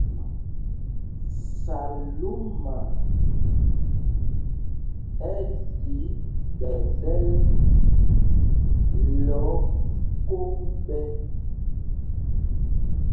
Salúma ɛ́ ɗǐ ɓɛ ɗɛ́l lɛ́ ókok ɓɛ̄.